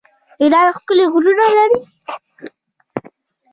ایران ښکلي غرونه لري.